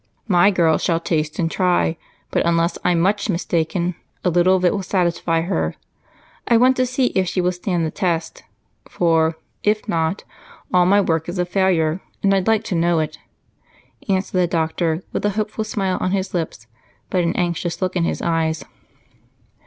"My girl shall taste and try, but unless I'm much mistaken, a little bit of it will satisfy her. I want to see if she will stand the test, because if not, all my work is a failure and I'd like to know it," answered the doctor with a hopeful smile on his lips but an anxious look in his eyes.